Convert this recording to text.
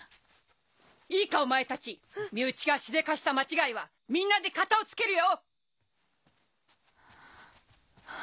いいかお前たち身内がしでかした間違いはみんなで片を付けるよ！